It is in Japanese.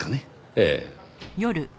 ええ。